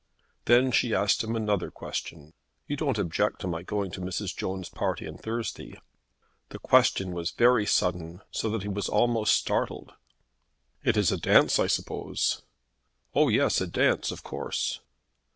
Then she asked him another question. "You don't object to my going to Mrs. Jones' party on Thursday?" The question was very sudden, so that he was almost startled. "It is a dance, I suppose." "Oh yes, a dance of course."